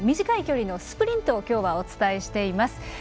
短い距離のスプリントを今日はお伝えしています。